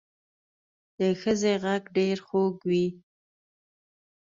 د ښځې غږ ډېر خوږ وي